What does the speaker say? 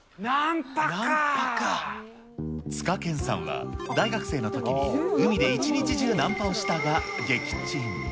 ツカケンさんは、大学生のときに海で一日中ナンパをしたが撃沈。